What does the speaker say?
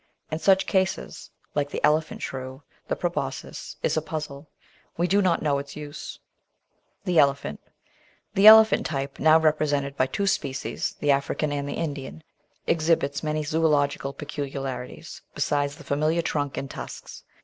In some cases, like the Elephant Shrew, the proboscis is a puzzle: we do not know its use. 472 The Outline of Science • The Elephant The Elephant type, now represented by two species, the African and the Indian, exhibits many zoological peculiarities besides the familiar trunk and tusks.